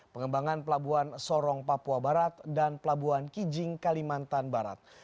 pengembangan pelabuhan sorong papua barat dan pelabuhan kijing kalimantan barat